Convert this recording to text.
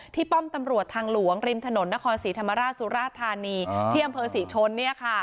ที่ป้อมตำรวจทางหลวงริมถนนนครศรีธรรมราชสุรธานีเที่ยมเผอร์ศรีชนเนี่ยค่ะ